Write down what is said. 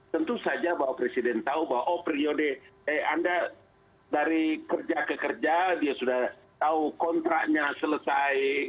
tentu saja bahwa presiden tahu bahwa oh periode eh anda dari kerja ke kerja dia sudah tahu kontraknya selesai